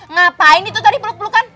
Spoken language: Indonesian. ngapain itu tadi peluk belukan